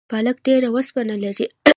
پالک ډیره اوسپنه لري